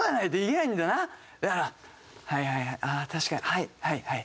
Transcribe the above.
はいはいはい。